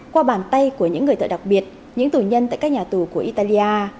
qua bàn tay của những người tựa đặc biệt những tù nhân tại các nhà tù của italia